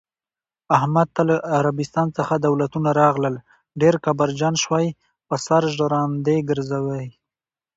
احمد ته له عربستان څخه دولتونه راغلل، ډېر کبرجن شوی، په سر ژرندې ګرځوی.